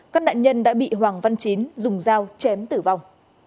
các nạn nhân đã bị hoàng văn chín dùng dao chém tử vong